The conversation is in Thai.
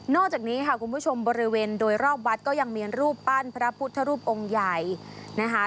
จากนี้ค่ะคุณผู้ชมบริเวณโดยรอบวัดก็ยังมีรูปปั้นพระพุทธรูปองค์ใหญ่นะคะ